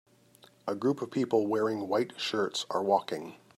A group of people wearing white shirts are walking